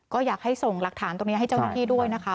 ก็อยากให้ส่งหลักฐานตรงนี้ให้เจ้าหน้าที่ด้วยนะคะ